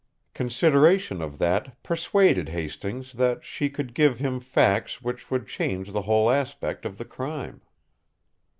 Consideration of that persuaded Hastings that she could give him facts which would change the whole aspect of the crime.